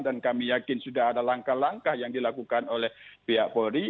dan kami yakin sudah ada langkah langkah yang dilakukan oleh pihak polri